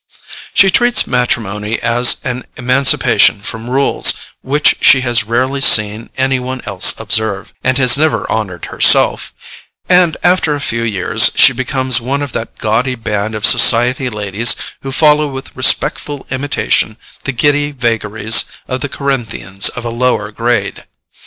She treats matrimony as an emancipation from rules which she has rarely seen any one else observe, and has never honoured herself, and after a few years, she becomes one of that gaudy band of Society ladies who follow with respectful imitation the giddy vagaries of the Corinthians of a lower grade.